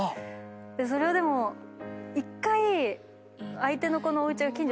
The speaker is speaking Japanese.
⁉それをでも１回。